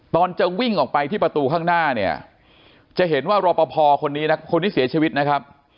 ตอนจะวิ่งออกไปที่ประตูข้างหน้าเนี่ยจะเห็นว่ารอปภคนนี้นะคนที่เสียชีวิตนะครับ